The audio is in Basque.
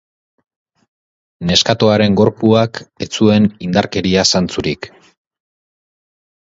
Neskatoaren gorpuak ez zuen indarkeria zantzurik.